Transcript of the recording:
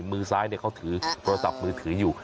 มือซ้ายเขาถือโทรศัพท์มือถืออยู่